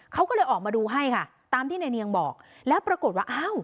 เขาก็เลยออกมาดูให้ค่ะตามที่ในเนียงบอกแล้วปรากฏว่าอ้าว